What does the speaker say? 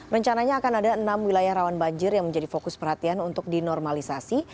rencananya akan ada enam wilayah rawan banjir yang menjadi fokus perhatian untuk dinormalisasi